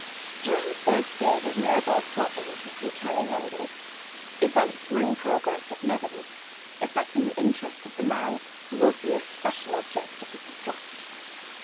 During the first days of Mirabel's sojourn at his hotel in London, events were in progress at Netherwoods, affecting the interests of the man who was the especial object of his distrust.